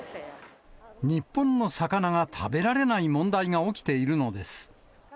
日本の魚が食べられない問題が起きているのです。